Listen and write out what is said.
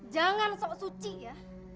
jangan sok suci ya